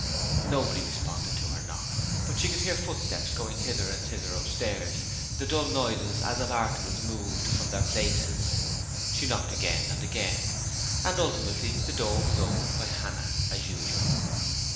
Nobody responded to her knock, but she could hear footsteps going hither and thither upstairs, and dull noises as of articles moved from their places. She knocked again and again, and ultimately the door was opened by Hannah as usual.